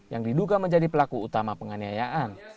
yang diduga menjadi pelaku utama penganiayaan